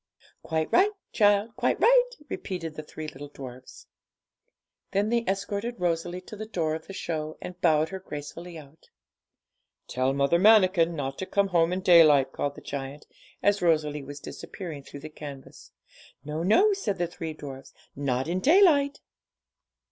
'Quite right, child, quite right,' repeated the three little dwarfs. Then they escorted Rosalie to the door of the show, and bowed her gracefully out. 'Tell Mother Manikin not to come home in daylight,' called the giant, as Rosalie was disappearing through the canvas. 'No, no,' said the three dwarfs; 'not in daylight!'